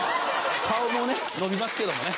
顔もね伸びますけどもね。